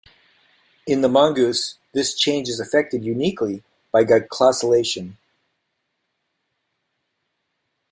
In the mongoose, this change is effected uniquely, by glycosylation.